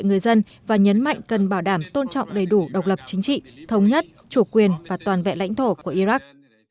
người dân và nhấn mạnh cần bảo đảm tôn trọng đầy đủ độc lập chính trị thống nhất chủ quyền và toàn vẹn lãnh thổ của iraq